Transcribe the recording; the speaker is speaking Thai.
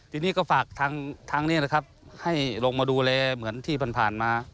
ทีนี้ก็ฝากทางนี้นะครับให้ลงมาดูแลเหมือนที่ผ่านมา